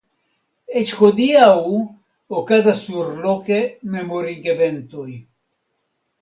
Eĉ hodiaŭ okazas surloke memorigeventoj.